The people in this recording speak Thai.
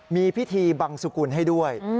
มีพิธีบังสุกุลให้ด้วย